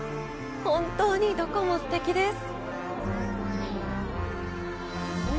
本当にどこもすてきです。